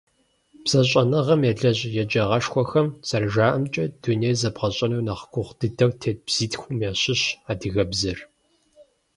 БзэщӀэныгъэм елэжь еджагъэшхуэхэм зэрыжаӀэмкӀэ, дунейм зэбгъэщӀэну нэхъ гугъу дыдэу тет бзитхум ящыщщ адыгэбзэр.